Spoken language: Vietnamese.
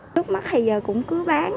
lúc mắt thì giờ cũng cứ bán